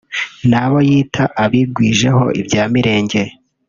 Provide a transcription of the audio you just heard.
n’abo yita “abigwijeho ibya Mirenge